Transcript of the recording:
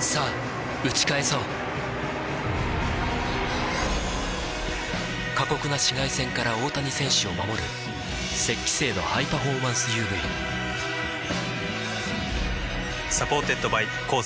さぁ打ち返そう過酷な紫外線から大谷選手を守る「雪肌精」のハイパフォーマンス ＵＶサポーテッドバイコーセー